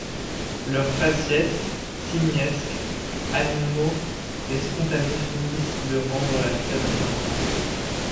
Leurs faciès, simiesques, animaux et spontanés finissent de rendre la scène normale.